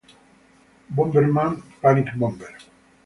Bomberman: Panic Bomber